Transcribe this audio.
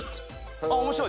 あっ面白い！